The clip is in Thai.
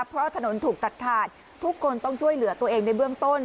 เพราะถนนถูกตัดขาดทุกคนต้องช่วยเหลือตัวเองในเบื้องต้น